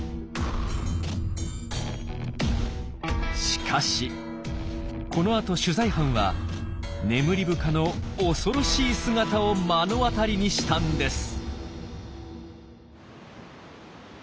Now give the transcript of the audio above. しかしこのあと取材班はネムリブカの恐ろしい姿を目の当たりにしたんです。